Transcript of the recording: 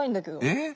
えっ？